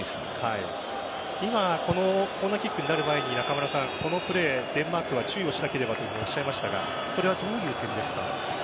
今、コーナーキックになる前にこのプレーデンマークは注意をしなければとおっしゃいましたがそれはどういう意味ですか？